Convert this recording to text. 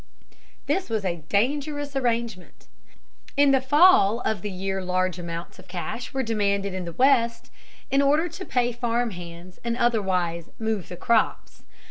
This was a dangerous arrangement. In the fall of the year large amounts of cash were demanded in the West, in order to pay farm hands and otherwise "move the crops."